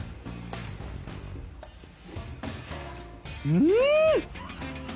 うん！